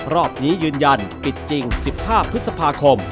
รอบนี้ยืนยันปิดจริง๑๕พฤษภาคม